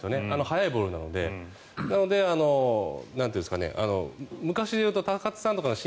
速いボールなのでなので、昔でいうと高津さんの